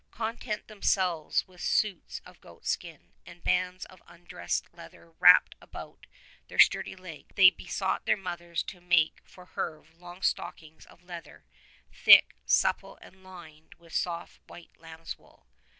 Content themselves with suits of goatskin, and bands of undressed leather wrapped about their sturdy legs they besought their mothers to make for Herve long stockings of leather, thick, supple and lined with soft white lambswool.